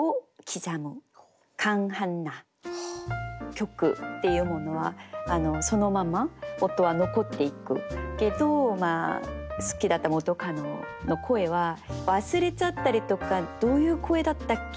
曲っていうものはそのまま音は残っていくけど好きだった元カノの声は忘れちゃったりとか「どういう声だったっけ？」